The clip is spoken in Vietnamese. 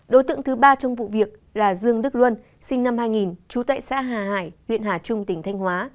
đối tượng thứ ba trong vụ việc là dương đức luân sinh năm hai nghìn trú tại xã hà hải huyện hà trung tỉnh thanh hóa